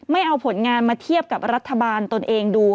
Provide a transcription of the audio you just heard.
ไม่เอาผลงานมาเทียบกับรัฐบาลตนเองดู